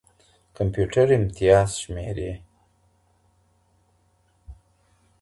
کمپيوټر امتياز شمېرې.